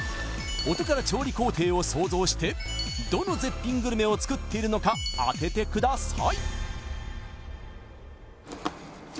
音から調理工程を想像してどの絶品グルメを作っているのか当ててください